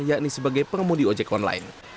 yakni sebagai pengemudi ojek online